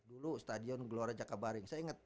dulu stadion gelora jakabaring saya inget